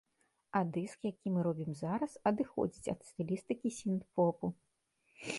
А дыск, які мы робім зараз, адыходзіць ад стылістыкі сінт-попу.